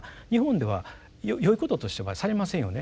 日本ではよいこととしてはされませんよね。